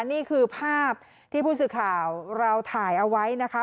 นี่คือภาพที่ผู้สื่อข่าวเราถ่ายเอาไว้นะคะ